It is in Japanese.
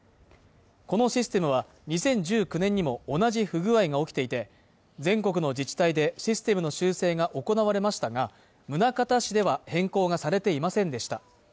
このシステムは、２０１９年にも同じ不具合が起きていて、全国の自治体で、システムの修正が行われましたが、宗像市では変更がされていませんでした。